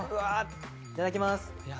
いただきます。